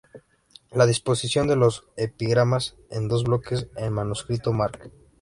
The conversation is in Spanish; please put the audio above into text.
La disposición de los epigramas en dos bloques en el manuscrito "Marc.